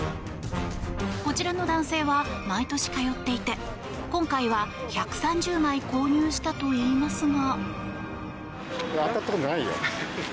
こちらの男性は毎年通っていて今回は１３０枚購入したといいますが。